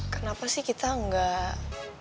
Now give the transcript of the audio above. kenapa sih kita gak